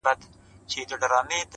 د مدرسو او مکتبونو کیسې!